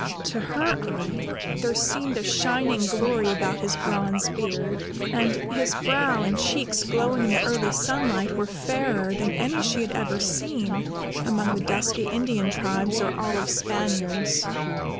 To her eye, there seemed a shining glory about his bronze beard, and his brow and cheeks glowing in the early sunlight, were fairer than any she had ever seen among the dusky Indian tribes or olive Spaniards.